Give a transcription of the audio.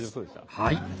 はい。